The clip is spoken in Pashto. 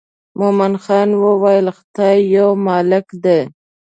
مومن خان وویل خدای یو مالک دی.